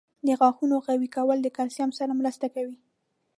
• د غاښونو قوي کول د کلسیم سره مرسته کوي.